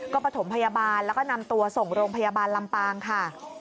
ก็ประถมพยาบาลแล้วก็นำตัวส่งโรงพยาบาลลำปางค่ะ